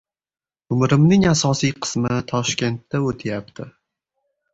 Umrimning asosiy qismi Toshkentda o‘tyapti.